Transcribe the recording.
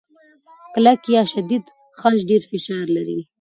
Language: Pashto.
کلک یا شدید خج ډېر فشار لري.